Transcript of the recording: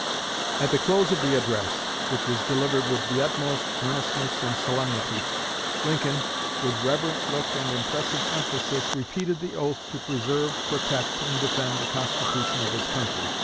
At the close of the address, which was delivered with the utmost earnestness and solemnity, Lincoln, "with reverent look and impressive emphasis, repeated the oath to preserve, protect, and defend the Constitution of his country.